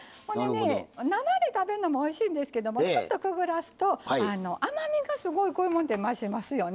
生で食べるのもおいしいですけどちょっとくぐらすと甘みがこういうもの増しますよね。